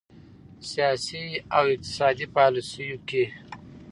سیاسي او اقتصادي پالیسیو کې